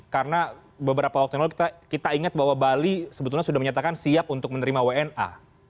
karena beberapa waktu yang lalu kita ingat bahwa bali sebetulnya sudah menyatakan siap untuk menerima wna